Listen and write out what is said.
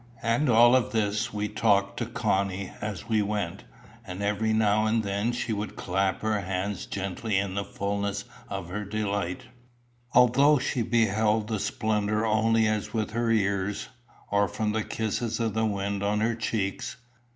And of all this we talked to Connie as we went; and every now and then she would clap her hands gently in the fulness of her delight, although she beheld the splendour only as with her ears, or from the kisses of the wind on her cheeks.